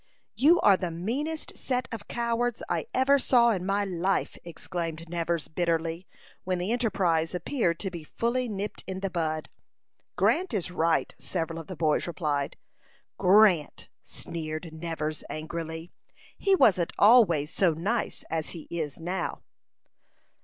"You are the meanest set of cowards I ever saw in my life," exclaimed Nevers, bitterly, when the enterprise appeared to be fully nipped in the bud. "Grant is right," several of the boys replied. "Grant!" sneered Nevers, angrily. "He wasn't always so nice as he is now."